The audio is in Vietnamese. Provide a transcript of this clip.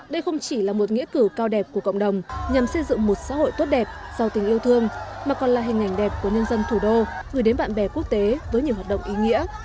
đây không chỉ là một nghĩa cử cao đẹp của cộng đồng nhằm xây dựng một xã hội tốt đẹp giàu tình yêu thương mà còn là hình ảnh đẹp của nhân dân thủ đô gửi đến bạn bè quốc tế với nhiều hoạt động ý nghĩa